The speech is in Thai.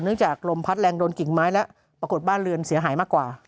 จากลมพัดแรงโดนกิ่งไม้แล้วปรากฏบ้านเรือนเสียหายมากกว่า